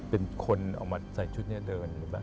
เป็นคนออกมาใส่ชุดนี้เดิน